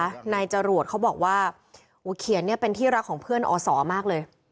นายจรวดเขาบอกว่าอูเขียนเนี่ยเป็นที่รักของเพื่อนอศมากเลย